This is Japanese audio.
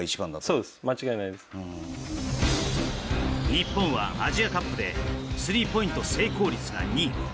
日本はアジアカップでスリーポイント成功率が２位。